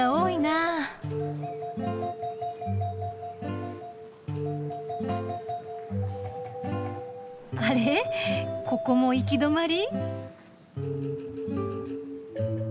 あれここも行き止まり？